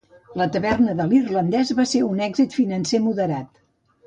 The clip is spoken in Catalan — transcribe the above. "La Taverna de l'irlandès" va ser un èxit financer moderat.